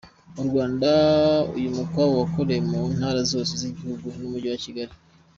Mu Rwanda, uyu mukwabu wakorewe mu ntara zose z’igihugu n’Umujyi wa Kigali.